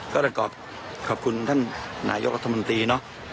ก็ประกอบขอบคุณท่านนายกรัฐมนตรีเนอะ